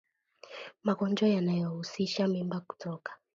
Magonjwa yanayohusisha mimba kutoka